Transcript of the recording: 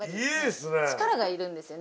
力がいるんですよね